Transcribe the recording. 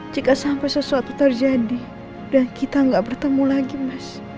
jika sampai sesuatu terjadi dan kita nggak bertemu lagi mas